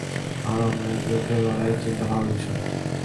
আর অন্যায়ের বিরুদ্ধে লড়াইয়ের চিন্তা ভালো বিষয়।